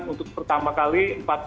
untuk pertama kali